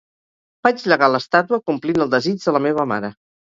Vaig llegar l"estàtua complint el desig de la meva mare.